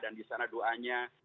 dan disana doanya